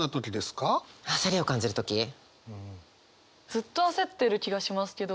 ずっと焦ってる気がしますけど。